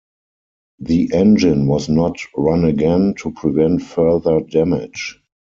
The engine was not run again to prevent further damage.